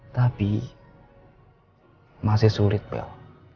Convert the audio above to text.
tapi masih sulit bel